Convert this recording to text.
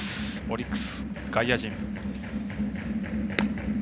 オリックスの外野陣。